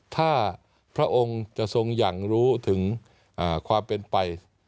ถ้าพระองค์จะทรงอย่างรู้ถึงความเป็นไป